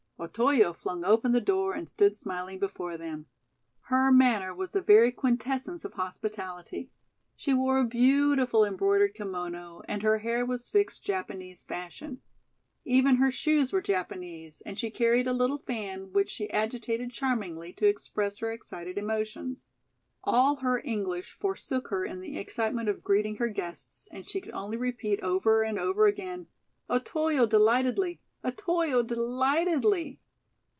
Otoyo flung open the door and stood smiling before them. Her manner was the very quintessence of hospitality. She wore a beautiful embroidered kimono and her hair was fixed Japanese fashion. Even her shoes were Japanese, and she carried a little fan which she agitated charmingly to express her excited emotions. All her English forsook her in the excitement of greeting her guests and she could only repeat over and over again: "Otoyo delightly Otoyo delightly."